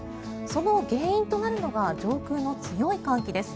その原因となるのが上空の強い寒気です。